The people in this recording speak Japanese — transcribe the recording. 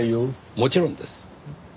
もちろんです。